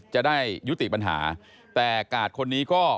จะได้ยุติปัญหาแต่กาดคนนี้ก็